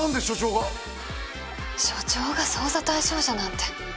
署長が捜査対象者なんて。